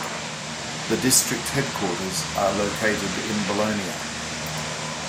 The district headquarters are located at Belonia.